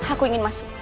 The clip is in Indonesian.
aku ingin masuk